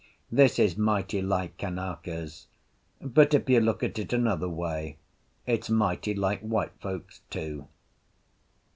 This is mighty like Kanakas; but, if you look at it another way, it's mighty like white folks too.